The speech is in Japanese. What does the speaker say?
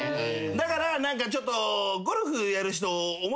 だから何かちょっと。